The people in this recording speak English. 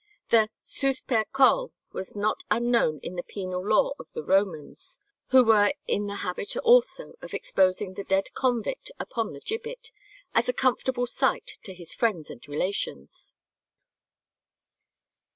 The "sus per coll." was not unknown in the penal law of the Romans, who were in the habit also of exposing the dead convict upon the gibbet, "as a comfortable sight to his friends and relations."